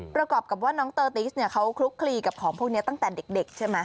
ประกอบกับว่าน้องเตอร์ติสเนี่ยเขาคลุกคลีกับของพวกนี้ตั้งแต่เด็กใช่ไหม